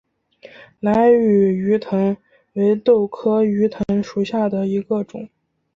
兰屿鱼藤为豆科鱼藤属下的一个种。